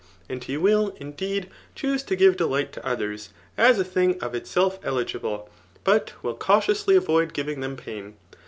And he wilU indeed, choose to give ddight to others, as a thmg of hsdf eligible, but will cantiiMnly ardd giving them pain.